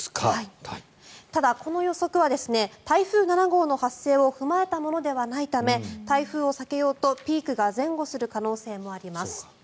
ただ、この予測は台風７号の発生を踏まえたものではないため台風を避けようとピークが前後する可能性もあります。